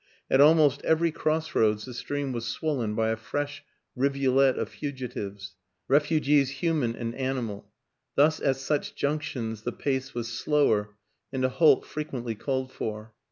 At almost every cross roads the WILLIAM AN ENGLISHMAN 163 stream was swollen by a fresh rivulet of fugitives refugees human and animal; thus at such junc tions the pace was slower and a halt frequently called for.